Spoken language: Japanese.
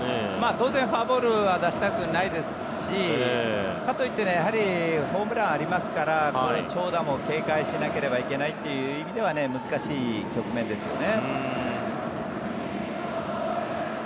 当然、フォアボールは出したくないですしかといってホームランがありますから長打も警戒しなければいけないという意味では難しい局面ですよね。